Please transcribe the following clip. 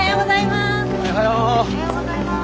おはようございます。